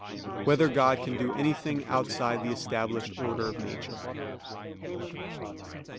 6] Whether God Can Do Anything Outside the Established Order of Nature?